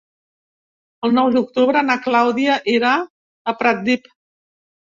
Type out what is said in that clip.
El nou d'octubre na Clàudia irà a Pratdip.